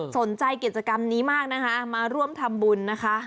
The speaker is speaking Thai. สนใจกิจกรรมนี้มากนะคะมาร่วมทำบุญนะคะ